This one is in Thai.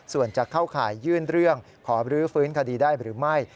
ส่วนจะเข้าข่ายยื่นเรื่องขอบรื้อฟื้นคดีได้หรือไม่